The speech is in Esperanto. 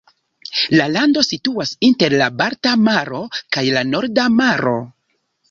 La lando situas inter la Balta maro kaj la Norda Maro.